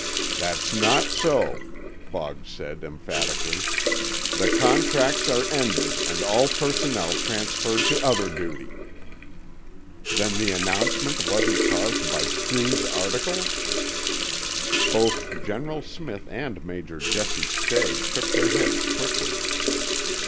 "That's not so," Boggs said emphatically. "The contracts are ended, and all personnel transferred to other duty." "Then the announcement wasn't caused by True's article?" Both General Smith and Major Jesse Stay shook their heads quickly.